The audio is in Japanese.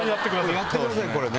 やってくださいこれね。